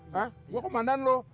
hah gue kemendan lu